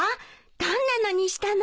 どんなのにしたの？